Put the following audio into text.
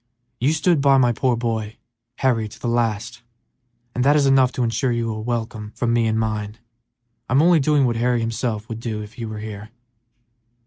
"You stood by my poor boy, Harry, to the last, and that is enough to insure you a welcome from me and mine. I'm only doing what Harry himself would do if he were here."